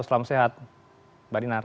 selam sehat mbak dinar